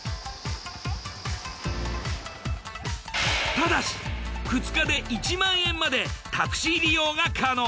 ただし２日で１万円までタクシー利用が可能。